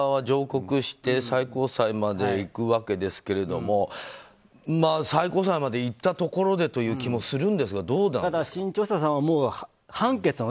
新潮さん側は上告して最高裁までいくわけですけど最高裁まで行ったところでという気もするんですが。